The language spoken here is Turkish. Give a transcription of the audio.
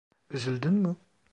Üzüldün mü?